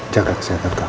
jaga kesehatan kamu